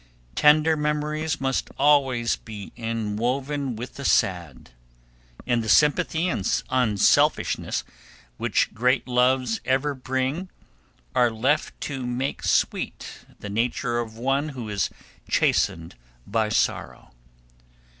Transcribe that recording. Tender memories must always be inwoven with the sad, and the sympathy and unselfishness which great loves ever bring are left to make sweet the nature of one who is chastened by sorrow.